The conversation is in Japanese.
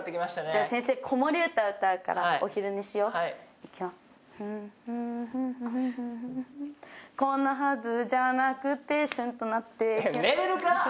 じゃ先生子守歌歌うからお昼寝しよういくよ。フンフンフンフンこんなはずじゃなくてシュンとなって寝れるか！